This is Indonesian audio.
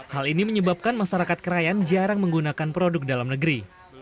hal ini menyebabkan masyarakat krayan jarang menggunakan produk dalam negeri